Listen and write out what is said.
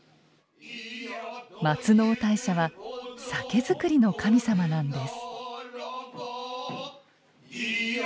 松尾大社は酒造りの神様なんです。